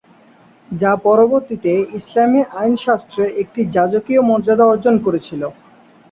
যা পরবর্তীতে ইসলামী আইনশাস্ত্রে একটি যাজকীয় মর্যাদা অর্জন করেছিল।